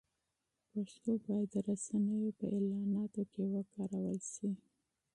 پښتو باید د رسنیو په اعلاناتو کې وکارول شي.